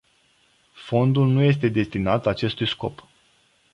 Fondul nu este destinat acestui scop.